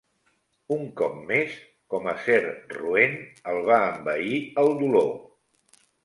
Un cop més, com acer roent, el va envair el dolor.